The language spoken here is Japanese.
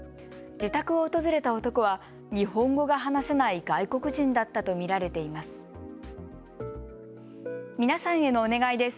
自宅を訪れた男は日本語が話せない外国人だったと見られています。